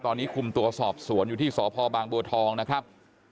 ตอนนี้คุมตัวสอบสวนอยู่ที่สพบางบัวทองนะครับ